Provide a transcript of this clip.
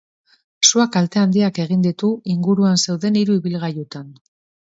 Suak kalte handiak egin ditu inguruan zeuden hiru ibilgailutan.